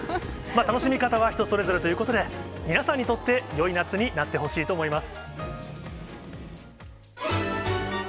楽しみ方は人それぞれということで、皆さんにとってよい夏になってほしいと思います。